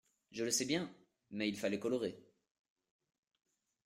Je le sais bien ! mais il fallait colorer.